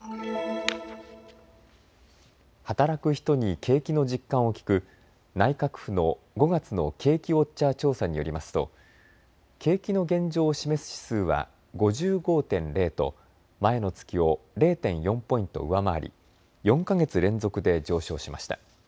働く人に景気の実感を聞く内閣府の５月の景気ウォッチャー調査によりますと景気の現状を示す指数は５５．０と前の月を０．４ポイント上回り４か月連続で上昇しました。